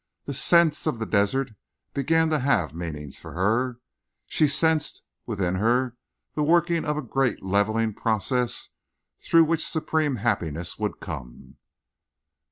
The scents of the desert began to have meaning for her. She sensed within her the working of a great leveling process through which supreme happiness would come.